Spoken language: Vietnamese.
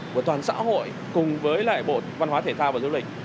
của toàn xã hội cùng với bộ văn hóa thể thao du lịch